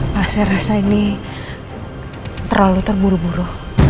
masa ini terlalu terburu buru